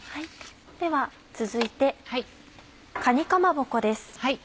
では続いてかにかまぼこです。